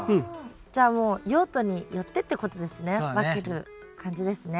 じゃあもう用途によってってことですね分ける感じですね。